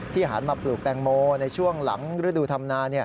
หันมาปลูกแตงโมในช่วงหลังฤดูธรรมนา